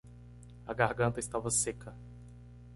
A garganta estava seca